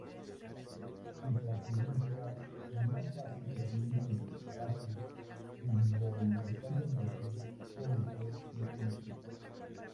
Su trascendencia en gran parte proviene del carácter involuntariamente cómico de su música.